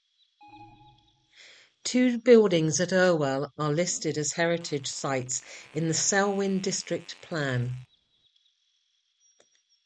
Two buildings at Irwell are listed as heritage sites in the Selwyn District Plan.